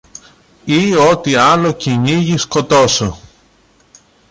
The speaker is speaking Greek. ή ό,τι άλλο κυνήγι σκοτώσω